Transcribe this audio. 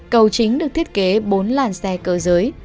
cầu chính được thiết kế bốn làn xe cơ giới